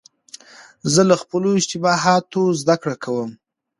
زه له خپلو اشتباهاتو زدهکړه کوم.